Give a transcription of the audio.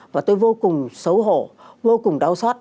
và tôi vô cùng xấu hổ vô cùng đau xót